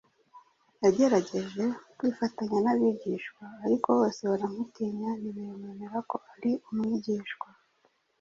yagerageje kwifatanya n’abigishwa: ariko bose baramutinya, ntibemenra ko ari umwigishwa.”